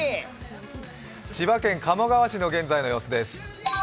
千葉県鴨川市の現在の様子です。